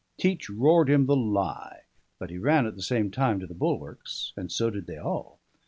Teach roared him the lie; but he ran at the same time to the bulwarks, and so did they all.